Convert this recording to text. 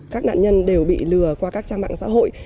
các nạn nhân đều bị lừa qua các trang mạng xã hội